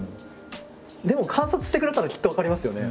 でも観察してくれたらきっと分かりますよね。